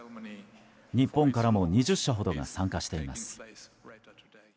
日本からも２０社ほどが参加しています。